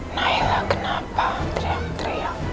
nailah kenapa teriak teriak